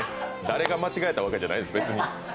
誰が間違えたわけじゃないです、別に。